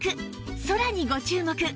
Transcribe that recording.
空にご注目！